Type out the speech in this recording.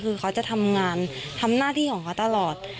คือเขาจะทำงานทำหน้าที่ของเขาตลอด